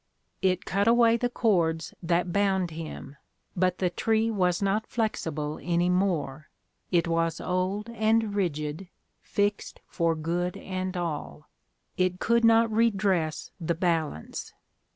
It cut away the cords that bound him; but the tree was not flexible any more, it was old and rigid, fixed for good and all ; it could not redress the balance.